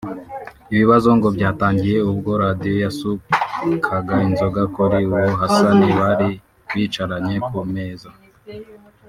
Ibibazo ngo byatangiye ubwo Radio yasukaga inzoga kuri uwo Hassan bari bicaranye ku meza